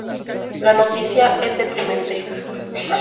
La noticia es deprimente.